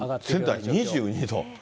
仙台２２度。